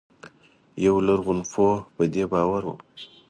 یو لرغونپوه په دې باور و.